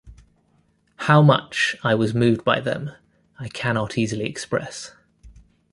How much I was moved by them, I cannot easily express.